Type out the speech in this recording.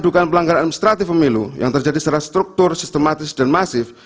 dugaan pelanggaran administratif pemilu yang terjadi secara struktur sistematis dan masif